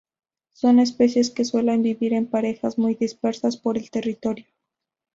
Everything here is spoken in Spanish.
Son especies que suelen vivir en parejas muy dispersas por el territorio.